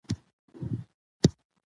تاسو ولې ښار ته ځئ؟